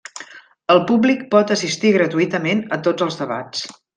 El públic pot assistir gratuïtament a tots els debats.